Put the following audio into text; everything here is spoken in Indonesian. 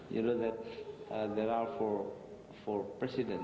kamu tahu bahwa ada empat presiden